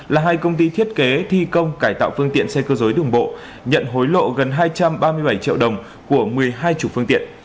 là hai công ty thiết kế thi công cải tạo phương tiện xe cơ giới đường bộ nhận hối lộ gần hai trăm ba mươi bảy triệu đồng của một mươi hai chủ phương tiện